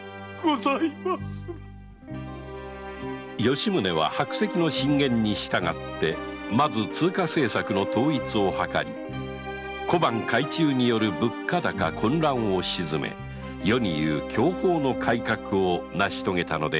吉宗は白石の進言に従ってまず通貨政策の統一を図り小判改鋳による物価高混乱を鎮め世に言う“享保の改革”を成し遂げたのであった